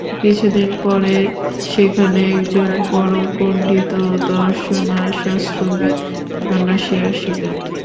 কিছুদিন পরে সেখানে একজন পরম পণ্ডিত ও দর্শনশাস্ত্রবিৎ সন্ন্যাসী আসিলেন।